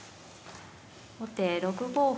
後手６五歩。